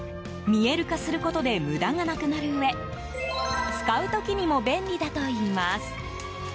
見える化することで無駄がなくなるうえ使う時にも便利だといいます。